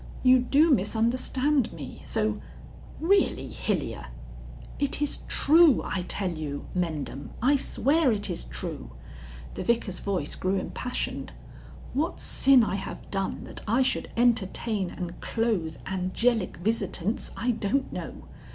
You do misunderstand me, so...." "Really, Hilyer " "It is true I tell you, Mendham. I swear it is true." The Vicar's voice grew impassioned. "What sin I have done that I should entertain and clothe angelic visitants, I don't know.